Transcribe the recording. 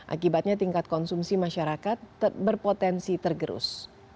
akibatnya tingkat konsumsi masyarakat berpotensi tergerus